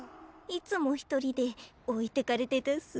いつも一人で置いてかれてたっす。